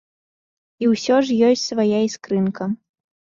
І ўсё ж ёсць свая іскрынка.